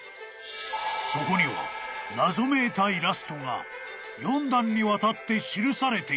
［そこには謎めいたイラストが４段にわたって記されている］